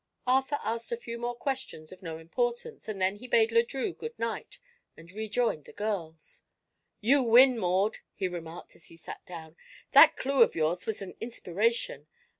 Arthur asked a few more questions of no importance and then bade Le Drieux good night and rejoined the girls. "You win, Maud," he remarked as he sat down. "That clew of yours was an inspiration.